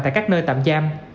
tại các nơi tạm giam